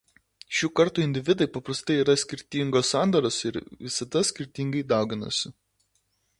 Šių kartų individai paprastai yra skirtingos sandaros ir visada skirtingai dauginasi.